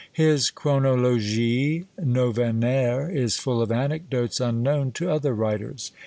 His Chronologie Novenaire is full of anecdotes unknown to other writers.